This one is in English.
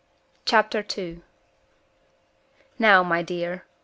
Chapter 2. "Now, my dear!"